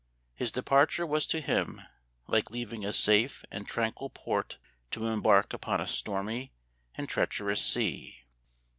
His departure was to him like leaving a safe and tranquil port to embark upon a stormy and treacherous sea.